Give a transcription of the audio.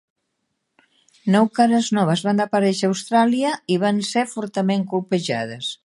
Nou cares noves van aparèixer a Austràlia i van ser fortament colpejades.